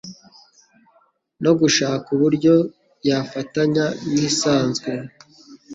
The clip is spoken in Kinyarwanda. no gushaka uburyo yafatanya n'isanzwe